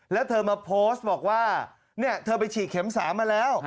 แล้วเธอมาโพสต์บอกว่าเธอไปฉีดเข็ม๓มาแล้ว